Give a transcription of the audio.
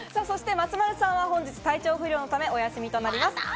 そして松丸さんは本日、体調不良のためお休みとなります。